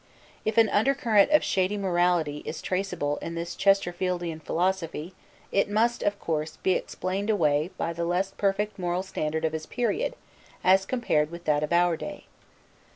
If an undercurrent of shady morality is traceable in this Chesterfieldian philosophy it must, of course, be explained away by the less perfect moral standard of his period as compared with that of our day.